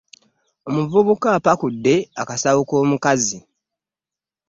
Omuvubuka apakudde akasawo k'omukazi.